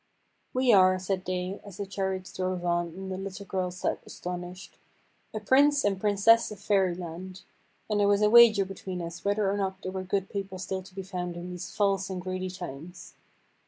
"We are," said they, as the chariots drove on, and the little girl sat astonished, "a Prince and Princess of Fairyland, and there was a wager between us whether or not there were good people still to be found in these false and greedy times.